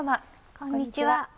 こんにちは。